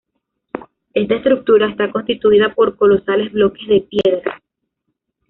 Esta estructura está constituida por colosales bloques de piedra.